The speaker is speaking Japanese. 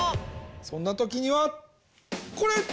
そんなときにはこれ！